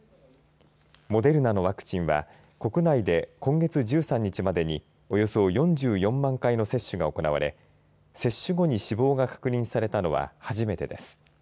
モデルナのワクチンは国内で今月１３日までにおよそ４４万回の接種が行われ接種後に死亡が確認されたのは初めてです。